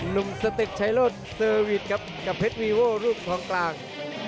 นุ่มสติกไชโลทเซอร์วีทกับเพชรวีโว่รูปของกลาง